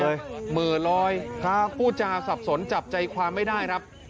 เหมือลอยพูดจาสับสนจับใจความไม่ได้ครับ